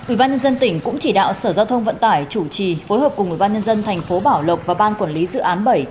ubnd tỉnh cũng chỉ đạo sở giao thông vận tải chủ trì phối hợp cùng ubnd tp bảo lộc và ban quản lý dự án bảy